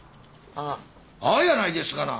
「あっ」やないですがな。